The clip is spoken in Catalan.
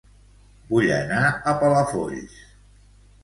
Vull anar a Palafolls